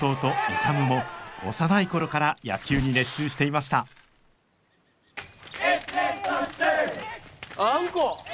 勇も幼い頃から野球に熱中していましたあんこ。